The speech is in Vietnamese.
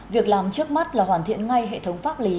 việc làm trước mắt là hoàn thiện ngay hệ thống pháp lý